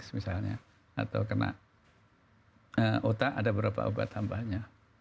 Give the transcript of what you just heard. misalnya atau kena otak ada beberapa obat tambahnya